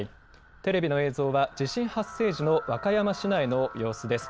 テレビの映像は地震発生時の和歌山市内の様子です。